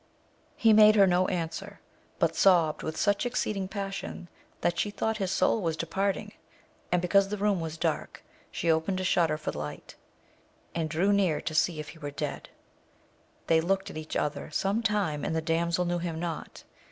He made her no answer, but sobbed with such exceeding passion, that she thought his soul was departing; and because the room was dark, she opened a shutter for the light, and drew near to see if he were dead. They looked at each other some time, and the damsel knew him not.